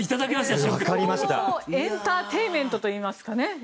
総合エンターテインメントといいましょうか。